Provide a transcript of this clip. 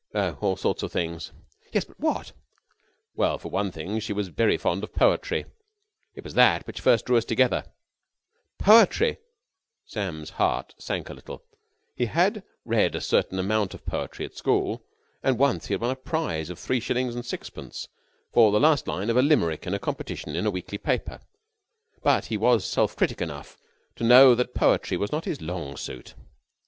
"Oh, all sorts of things." "Yes, but what?" "Well, for one thing she was very fond of poetry. It was that which first drew us together." "Poetry!" Sam's heart sank a little. He had read a certain amount of poetry at school, and once he had won a prize of three shillings and sixpence for the last line of a limerick in a competition in a weekly paper, but he was self critic enough to know that poetry was not his long suit.